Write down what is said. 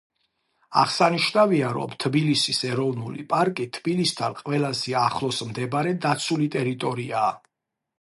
აღსანიშნავია, რომ თბილისის ეროვნული პარკი თბილისთან ყველაზე ახლოს მდებარე დაცული ტერიტორიაა.